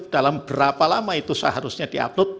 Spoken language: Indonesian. dalam berapa lama itu seharusnya diupload